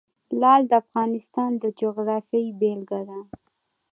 لعل د افغانستان د جغرافیې بېلګه ده.